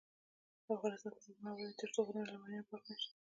افغانستان تر هغو نه ابادیږي، ترڅو غرونه له ماینونو پاک نشي.